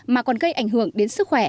mà còn gây ảnh hưởng đến sức khỏe